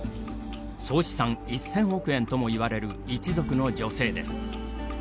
総資産１０００億円ともいわれる一族の女性です。